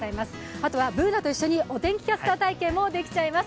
あとはＢｏｏｎａと一緒にお天気キャスター体験もできちゃいます。